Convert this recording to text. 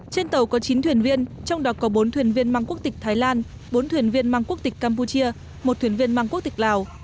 trên tàu có chín thuyền viên trong đó có bốn thuyền viên mang quốc tịch thái lan bốn thuyền viên mang quốc tịch campuchia một thuyền viên mang quốc tịch lào